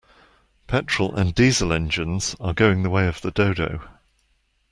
Petrol and Diesel engines are going the way of the dodo.